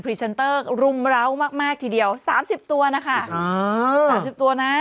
พรีเซนเตอร์รุมร้าวมากทีเดียวสามสิบตัวนะคะอ๋อสามสิบตัวนะ